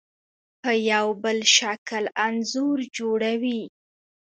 په یو بل شکل انځور جوړوي.